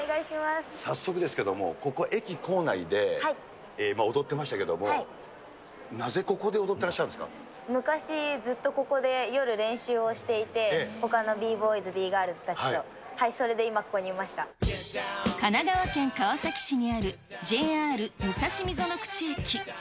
早速ですけれども、ここ駅構内で踊ってましたけども、なぜここで踊ってらっしゃるんで昔、ずっとここで夜練習をしていて、ほかのＢボーイズ、Ｂガールズた神奈川県川崎市にあるＪＲ武蔵溝ノ口駅。